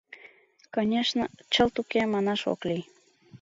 — Конечно, чылт уке, манаш ок лий.